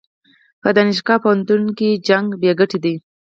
په دانشګاه او پوهنتون شخړه بې ګټې ده.